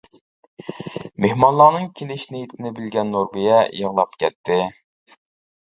مېھمانلارنىڭ كېلىش نىيىتىنى بىلگەن نۇربىيە يىغلاپ كەتتى.